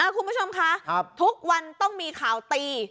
คุณผู้ชมคะทุกวันต้องมีข่าวตี